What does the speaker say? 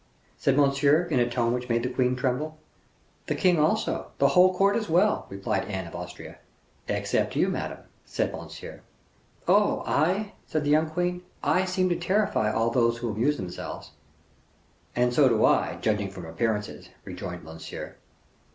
said Monsieur, in a tone which made the queen tremble. "The king also, the whole court as well," replied Anne of Austria. "Except you, madame," said Monsieur. "Oh! I," said the young queen, "I seem to terrify all those who amuse themselves." "And so do I, judging from appearances," rejoined Monsieur.